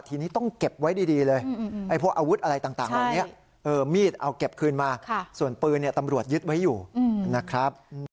ทีนี้ต้องเก็บไว้ดีเลยพวกอาวุธอะไรต่างเหล่านี้มีดเอาเก็บคืนมาส่วนปืนตำรวจยึดไว้อยู่นะครับ